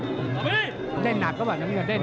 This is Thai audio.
น้ำเงินได้หนากก็ว่าน้ำเงินได้หนากกัน